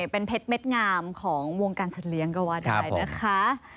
เผ็ดเม็ดงามของวงการสะเลี้ยงกว่าใดนะคะ